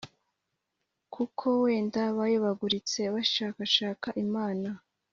kuko wenda bayobaguritse bashakashaka Imana,